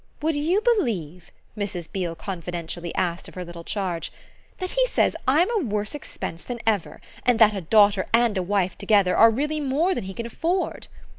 "Would you believe," Mrs. Beale confidentially asked of her little charge, "that he says I'm a worse expense than ever, and that a daughter and a wife together are really more than he can afford?"